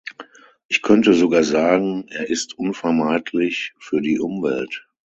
Ich könnte sogar sagen, er ist unvermeidlich für die Umwelt.